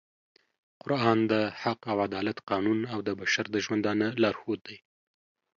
قرآن د حق او عدالت قانون او د بشر د ژوندانه لارښود دی